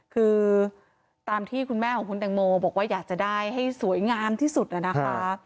คือตามที่คุณแม่ของคุณแตงโมบอกว่าอยากจะได้ให้สวยงามที่สุดนะคะ